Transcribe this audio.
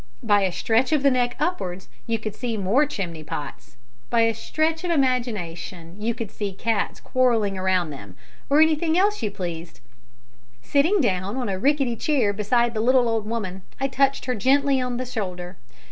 By a stretch of the neck upwards you could see more chimney pots. By a stretch of imagination you could see cats quarrelling around them, or anything else you pleased! Sitting down on a rickety chair beside the little old woman, I touched her gently on the shoulder.